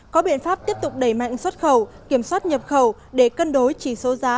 có biện pháp tiếp tục đẩy mạnh xuất khẩu kiểm soát nhập khẩu để cân đối chỉ số giá